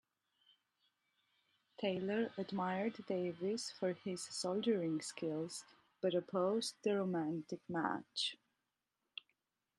Taylor admired Davis for his soldiering skills but opposed the romantic match.